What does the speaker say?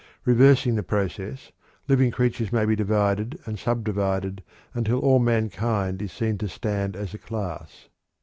Reversing the process, living creatures may be divided and subdivided until all mankind is seen to stand as a class.